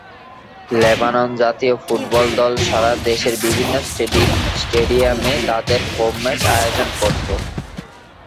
Lebanon জাতীয় football দল সারা দেশের বিভিন্ন স্টেডিয়ামে তাদের হোম ম্যাচ আয়োজন করতো।